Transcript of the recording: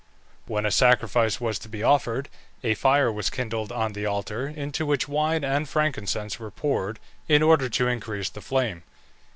When a sacrifice was to be offered, a fire was kindled on the altar, into which wine and frankincense were poured, in order to increase the flame.